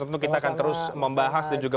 tentu kita akan terus membahas dan juga